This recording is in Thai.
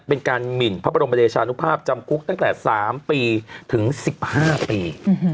เป็นการหมินพระบรมเดชานุภาพจำคุกตั้งแต่๓ปีถึง๑๕ปี